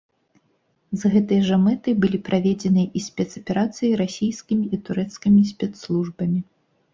З гэтай жа мэтай былі праведзеныя і спецаперацыі расійскімі і турэцкімі спецслужбамі.